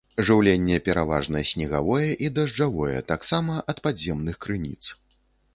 Жыўленне пераважна снегавое і дажджавое, таксама ад падземных крыніц.